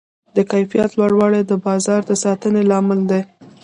د کیفیت لوړوالی د بازار د ساتنې لامل دی.